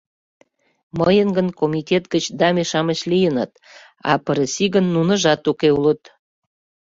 Мыйын гын комитет гыч даме-шамыч лийыныт, а пырысигын нуныжат уке улыт.